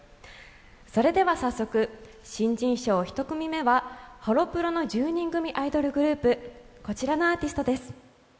それでは早速新人賞１組目はハロプロの１０人組アイドルグループ、こちらのアーティストです。